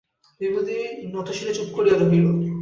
বিভূতি নতশিরে চুপ করিয়া রহিল।